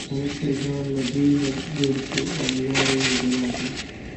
ملک سیدجان له دوی نه بېل شو او لاره یې جلا کړه.